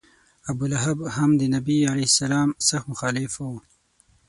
ابولهب هم د نبي علیه سلام سخت مخالف و.